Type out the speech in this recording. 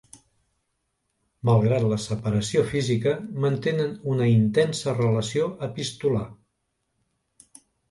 Malgrat la separació física, mantenen una intensa relació epistolar.